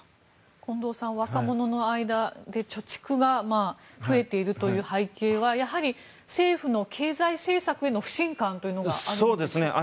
近藤さん、若者の間で貯蓄が増えているという背景はやはり政府の経済政策への不信感というのがあるのでしょうか。